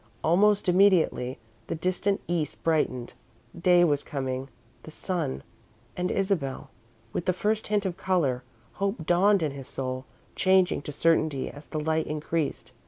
Almost immediately, the distant East brightened. Day was coming the sun, and Isabel. With the first hint of colour, hope dawned in his soul, changing to certainty as the light increased.